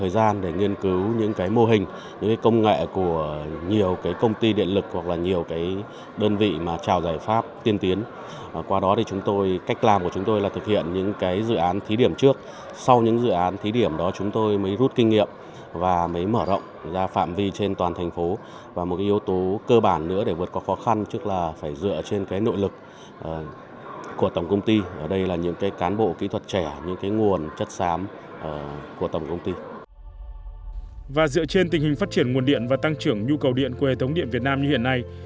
và dựa trên tình hình phát triển nguồn điện và tăng trưởng nhu cầu điện của hệ thống điện việt nam như hiện nay